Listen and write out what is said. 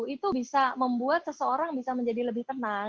itu bisa membuat seseorang bisa menjadi lebih tenang